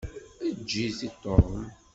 Eǧǧ-it i Tom.